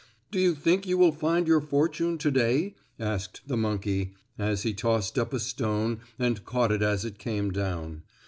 "Do you think you will find your fortune to day?" asked the monkey, as he tossed up a stone and caught it as it came down.